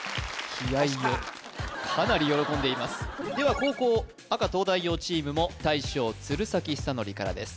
気合いをかなり喜んでいますでは後攻赤東大王チームも大将・鶴崎修功からです